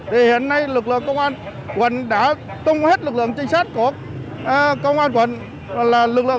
thì hiện nay lực lượng công an quận đã tung hết lực lượng trinh sát của công an quận là lực lượng